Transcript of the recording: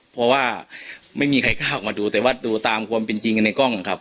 เพราะว่าไม่มีใครกล้าออกมาดูแต่ว่าดูตามความเป็นจริงในกล้องครับ